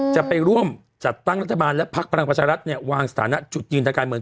จะไปร่วมจัดตั้งรัฐบาลและพักพลังประชารัฐเนี่ยวางสถานะจุดยืนทางการเมือง